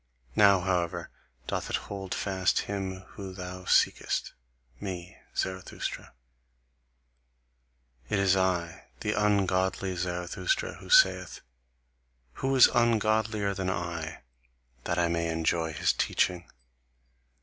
Now, however, doth it hold fast him whom thou seekest, me, Zarathustra. It is I, the ungodly Zarathustra, who saith: 'Who is ungodlier than I, that I may enjoy his teaching?